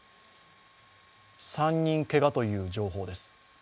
３人けがという情報です。